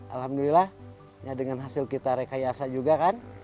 alhamdulillah ya dengan hasil kita rekayasa juga kan